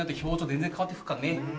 全然変わってくっからね・